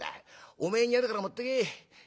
お前にやるから持ってけ。